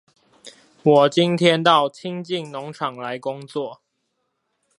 我今天到清境農場來工作